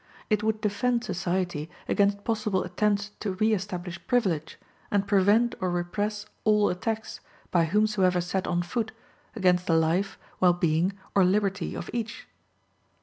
It would defend society against possible attempts to re establish privilege, and prevent or repress all attacks, by whomsoever set on foot, against the life, well being, or liberty of each.